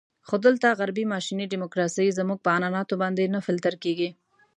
خو دلته غربي ماشیني ډیموکراسي زموږ په عنعناتو باندې نه فلتر کېږي.